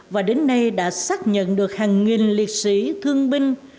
và đến nay đã xác nhận được hàng nghìn liệt sĩ thương binh